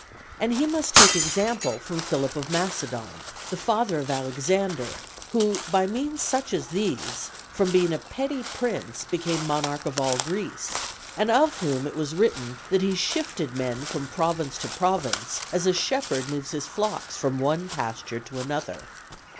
And he must take example from Philip of Macedon, the father of Alexander, who by means such as these, from being a petty prince became monarch of all Greece; and of whom it was written that he shifted men from province to province as a shepherd moves his flocks from one pasture to another.